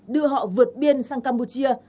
đưa họ vượt biên sang campuchia